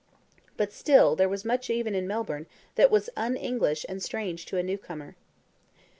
But still there was much even in Melbourne that was un English and strange to a new comer.